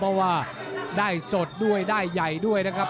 เพราะว่าได้สดด้วยได้ใหญ่ด้วยนะครับ